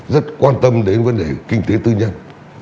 rất quan tâm đến vấn đề kinh tế tư nhân